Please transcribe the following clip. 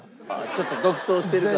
ちょっと独走してるから。